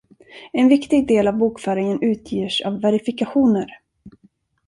En viktig del av bokföringen utgörs av verifikationer.